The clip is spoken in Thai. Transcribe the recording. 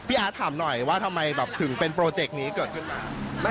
พี่อาร์ดถามหน่อยถึงเป็นทางนี้ขึ้นมา